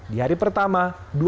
di hari pertama